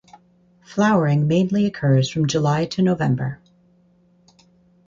Flowering mainly occurs from July to November.